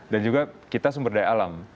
dan juga kita sumber daya alam